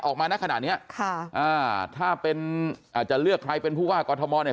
ออกมาหนักขนาดนี้อ่าจะเลือกใครเป็นผู้ว่ากอททมนต์เนี่ย